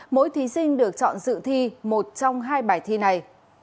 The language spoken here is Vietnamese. mỗi thí sinh được chọn dự thi một trong hai bài thi này